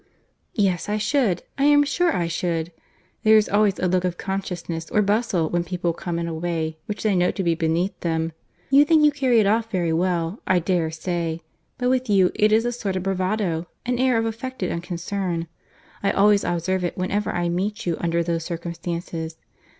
"Yes I should, I am sure I should. There is always a look of consciousness or bustle when people come in a way which they know to be beneath them. You think you carry it off very well, I dare say, but with you it is a sort of bravado, an air of affected unconcern; I always observe it whenever I meet you under those circumstances.